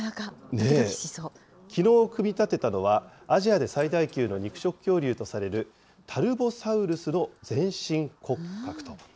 きのう組み立てたのは、アジアで最大級の肉食恐竜とされるタルボサウルスの全身骨格と。